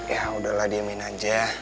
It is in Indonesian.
ya udahlah diemin aja